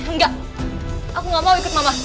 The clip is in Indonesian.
enggak aku nggak mau ikut mama